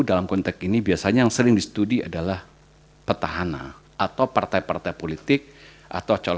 ada di beberapa institusi yang sudah menulis gewergi bara egs yang berbagai adil dan mengenai anti individues